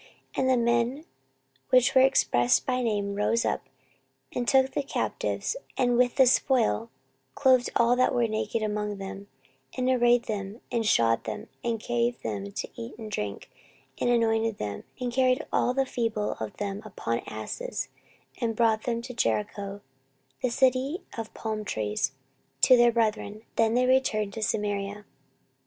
14:028:015 And the men which were expressed by name rose up, and took the captives, and with the spoil clothed all that were naked among them, and arrayed them, and shod them, and gave them to eat and to drink, and anointed them, and carried all the feeble of them upon asses, and brought them to Jericho, the city of palm trees, to their brethren: then they returned to Samaria.